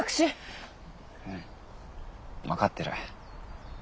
うん分かってる。